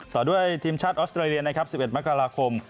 ต่อด้วยทีมชาติออสเตรเลียนะครับ๑๑มกราคม